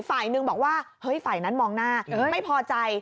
ฝ่ายหนึ่งบอกว่าเฮ้ยฝ่ายนั้นมองหน้าไม่พอใจ